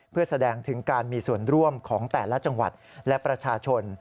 เพื่อแสดงถึงการมีส่วนร่วมของแต่ละจังหวัดและประชาชน